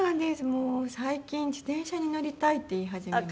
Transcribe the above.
もう最近自転車に乗りたいって言い始めまして。